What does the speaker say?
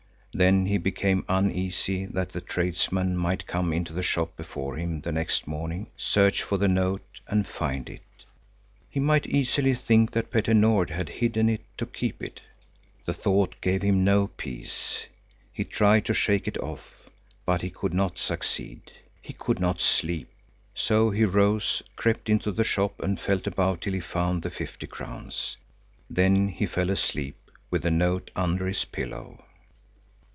Then he became uneasy that the tradesman might come into the shop before him the next morning, search for the note and find it. He might easily think that Petter Nord had hidden it to keep it. The thought gave him no peace. He tried to shake it off, but he could not succeed. He could not sleep. So he rose, crept into the shop and felt about till he found the fifty crowns. Then he fell asleep with the note under his pillow.